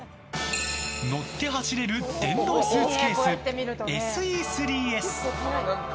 乗って走れる電動スーツケースＳＥ３Ｓ。